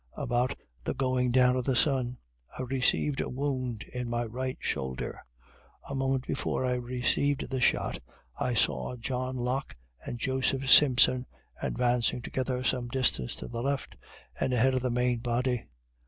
About the going down of the sun, I received a wound in my right shoulder. A moment before I received the shot, I saw John Locke and Joseph Simpson advancing together, some distance to the left, and ahead of the main body.